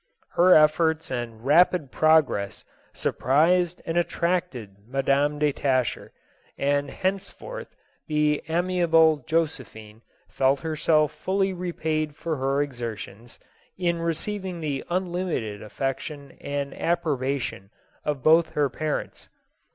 Her efforts and rapid progress surprised and attracted Madam de Tascher, and henceforth the amiable Jose phine felt herself fully repaid for her exertions, in receiv ing the unlimited affection and approbation of both her parents.